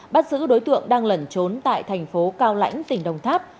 bắt giữ đối tượng đang lẩn trốn tại thành phố cao lãnh tỉnh đồng tháp